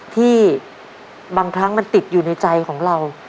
ที่บางครั้งมันติดอยู่ในใจของเรา